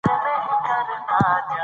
تاسو ولې سخت خج نه وکاروئ؟